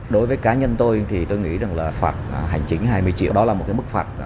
đối với cá nhân tôi tôi nghĩ là phạt hành chính hai mươi triệu là một mức phạt